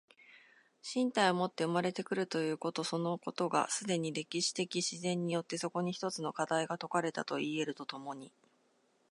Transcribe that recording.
身体をもって生まれて来るということそのことが、既に歴史的自然によってそこに一つの課題が解かれたといい得ると共に